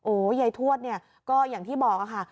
โอ้ยใยทวชก็อย่างที่บอกค่ะ